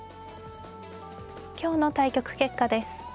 今日の対局結果です。